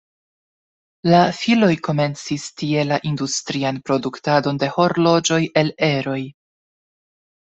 La filoj komencis tie la industrian produktadon de horloĝoj el eroj.